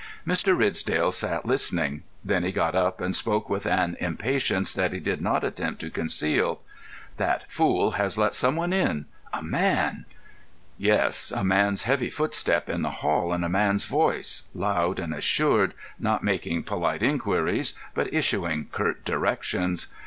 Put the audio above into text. Mr. Ridsdale sat listening. Then he got up, and spoke with an impatience that he did not attempt to conceal. "That fool has let some one in—a man!" Yes, a man's heavy footstep in the hall, and a man's voice—loud and assured, not making polite inquiries, but issuing curt directions.